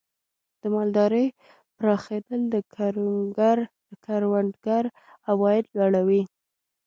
د مالدارۍ پراخېدل د کروندګر عواید لوړوي.